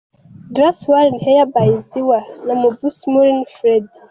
Grace Warren Hair by Zziwa Nambuusi Maureen Freddie.